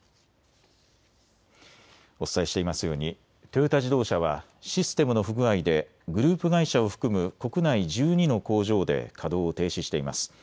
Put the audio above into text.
お伝えしていますようにトヨタ自動車はシステムの不具合でグループ会社を含む国内１２の工場で稼働を停止しています。